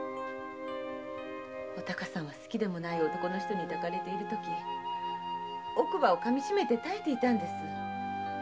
お孝さんは好きでもない男の人に抱かれているとき奥歯を噛みしめて耐えていたんです。